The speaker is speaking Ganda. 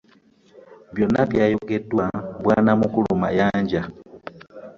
Byonna byayogeddwa Bwanamukulu Mayanja.